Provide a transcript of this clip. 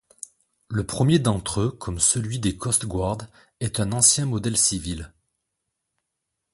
Le premier d’entre eux, comme celui des Coast Guard, est un ancien modèle civil.